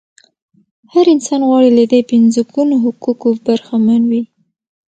هر انسان غواړي له دې پنځه ګونو حقوقو برخمن وي.